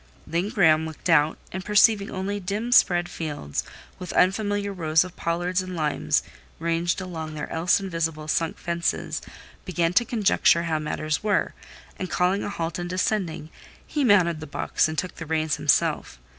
Then Graham looked out, and perceiving only dim spread fields, with unfamiliar rows of pollards and limes ranged along their else invisible sunk fences, began to conjecture how matters were, and calling a halt and descending, he mounted the box and took the reins himself.